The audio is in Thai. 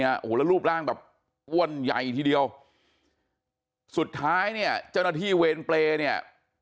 โอ้โหแล้วรูปร่างแบบอ้วนใหญ่ทีเดียวสุดท้ายเนี่ยเจ้าหน้าที่เวรเปรย์เนี่ย